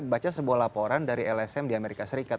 baca sebuah laporan dari lsm di amerika serikat